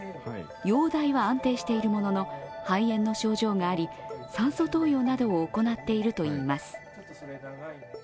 容体は安定しているものの肺炎の症状があり、酸素投与などを行っているといいます。